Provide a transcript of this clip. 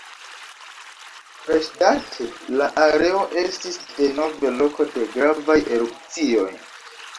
Freŝdate, la areo estis denove loko de gravaj erupcioj.